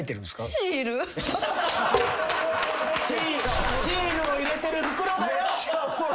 シールを入れてる袋だよ！